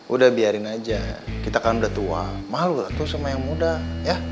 udah biarin aja kita kan udah tua malu lah tuh sama yang muda ya